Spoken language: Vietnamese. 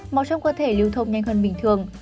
màu trong cơ thể lưu thông nhanh hơn bình thường